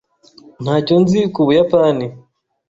Ntacyo nzi ku Buyapani.